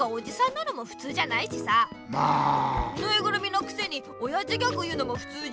ぬいぐるみのくせにおやじギャグ言うのもふつうじゃ。